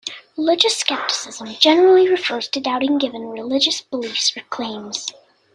Religious skepticism generally refers to doubting given religious beliefs or claims.